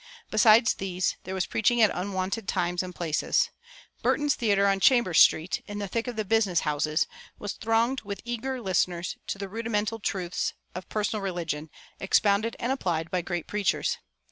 Besides these, there was preaching at unwonted times and places. Burton's Theater, on Chambers Street, in the thick of the business houses, was thronged with eager listeners to the rudimental truths of personal religion, expounded and applied by great preachers.